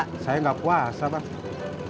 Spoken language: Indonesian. kenapa gak puasa bang